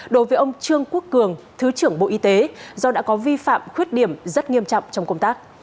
đối với ông trương quốc cường thứ trưởng bộ y tế do đã có vi phạm khuyết điểm rất nghiêm trọng trong công tác